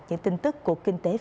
những tin tức của kinh tế phát triển